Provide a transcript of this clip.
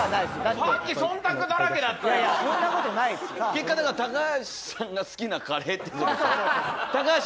結果だから橋さんが好きなカレーってことでしょ？